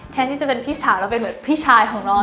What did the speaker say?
แทนที่จะเป็นพี่สาวแล้วเป็นเหมือนพี่ชายของน้อง